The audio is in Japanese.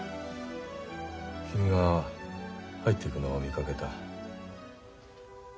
君が入っていくのを見かけた。